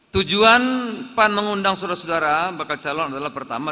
tujuan pan mengundang saudara saudara bakal calon adalah pertama